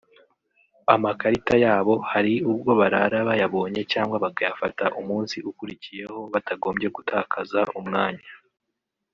amakarita yabo hari ubwo barara bayabonye cyangwa bakayafata umunsi ukurikiyeho batagombye gutakaza umwanya